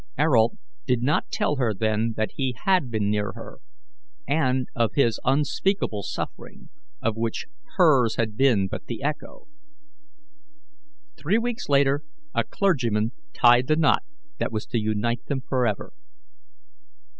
Ayrault did not tell her then that he had been near her, and of his unspeakable suffering, of which hers had been but the echo. Three weeks later a clergyman tied the knot that was to unite them forever.